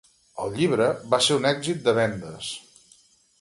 El llibre va ser un èxit de vendes.